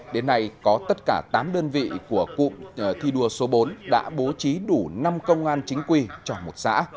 đến nay có tất cả tám đơn vị của cụm thi đua số bốn đã bố trí đủ năm công an chính quy cho một xã